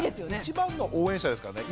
一番の応援者ですからね